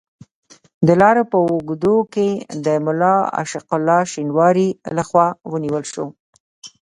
د لارې په اوږدو کې د ملا عاشق الله شینواري له خوا ونیول شو.